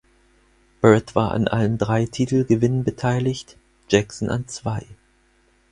Bird war an allen drei Titelgewinnen beteiligt, Jackson an zwei.